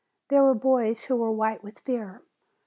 There were boys who were white with fear.